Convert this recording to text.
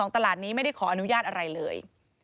ตลาดนี้ไม่ได้ขออนุญาตอะไรเลย